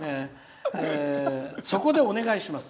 「そこでお願いします。